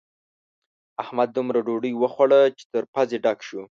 احمد دومره ډوډۍ وخوړه چې تر پزې ډک شو.